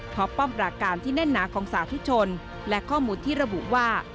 เพราะป้อมปราการที่แน่นหนาของสาธุชนและข้อมูลที่ระบุว่า